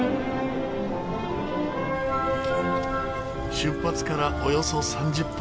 出発からおよそ３０分。